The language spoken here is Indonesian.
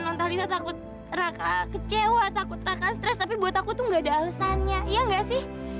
nontalita takut raka kecewa takut raka stres tapi buat aku itu nggak ada alesannya iya nggak sih